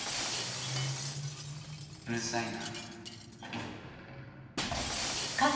うるさいな。